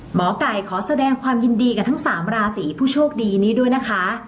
หมอไก่ขอแสดงความยินดีกับทั้ง๓ราศีผู้โชคดีนี้ด้วยนะคะ